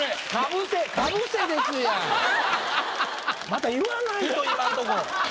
また言わないと今んとこ。